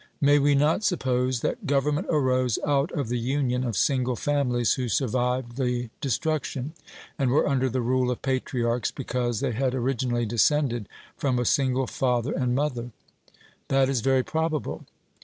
May we not suppose that government arose out of the union of single families who survived the destruction, and were under the rule of patriarchs, because they had originally descended from a single father and mother? 'That is very probable.'